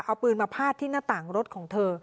เอาปืนมาพาดที่หน้าต่างรถของเธอ